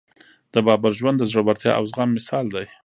د بابر ژوند د زړورتیا او زغم مثال دی.